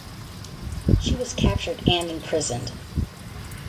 She was captured and imprisoned.